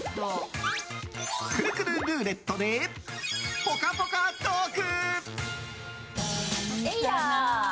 くるくるルーレットでぽかぽかトーク！